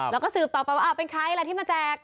แล้วก็สืบต่อไปว่าเป็นใครล่ะที่มาแจก